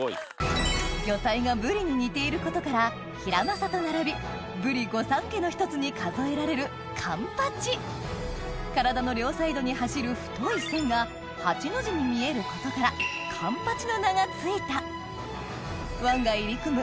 魚体がブリに似ていることからヒラマサと並びブリ御三家の一つに数えられるカンパチ体の両サイドに走る太い線が八の字に見えることからの名が付いた湾が入り組む